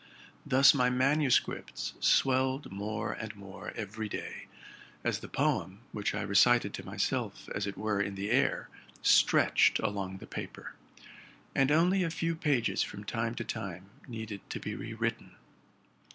'Thus my manuscripts swelled more and more ev ery day, as the poem, which I recited to myself, as it were, in the air, stretched along the paper; and only a few pages from time to time needed to be re written.